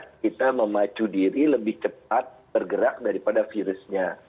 karena kita memacu diri lebih cepat bergerak daripada virusnya